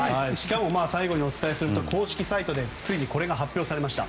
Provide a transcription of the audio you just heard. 最後にお伝えすると公式サイトでついにこれが発表されました。